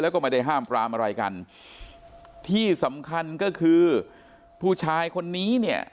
แล้วก็ไม่ได้ห้ามปรามอะไรกันที่สำคัญก็คือผู้ชายคนนี้เนี่ย